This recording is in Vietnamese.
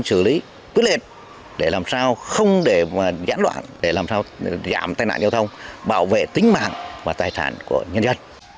xử lý quyết liệt để làm sao không để gián đoạn để làm sao giảm tai nạn giao thông bảo vệ tính mạng và tài sản của nhân dân